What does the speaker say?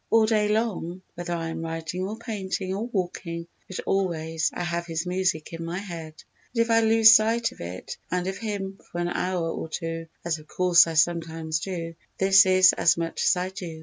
All day long—whether I am writing or painting or walking, but always—I have his music in my head; and if I lose sight of it and of him for an hour or two, as of course I sometimes do, this is as much as I do.